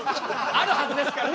あるはずですからね。